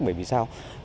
bởi vì sao